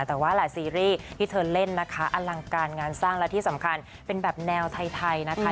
แต่ว่าแหละซีรีส์ที่เธอเล่นนะคะอลังการงานสร้างและที่สำคัญเป็นแบบแนวไทยนะคะ